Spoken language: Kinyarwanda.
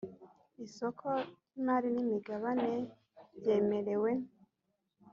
isoko ry imari n imigabane byemerewe